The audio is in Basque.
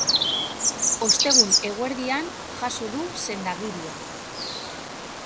Ostegun eguerdian jaso du senda-agiria.